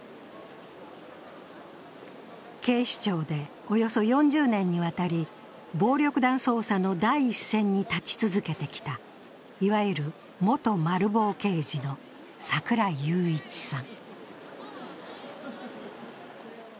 警視庁でおよそ４０年にわたり、暴力団捜査の第一線に立ち続けてきたいわゆる元マル暴刑事の櫻井裕一さん。